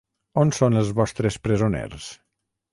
On són els vostres presoners?